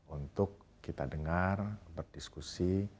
untuk kita dengar berdiskusi